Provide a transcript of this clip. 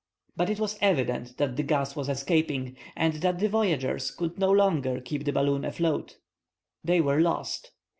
But it was evident that the gas was escaping, and that the voyagers could no longer keep the balloon afloat. They were lost!